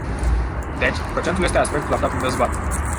Deci, procentul este aspectul aflat în dezbatere.